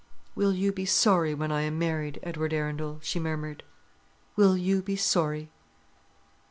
"Will you be sorry when I am married, Edward Arundel?" she murmured; "will you be sorry?"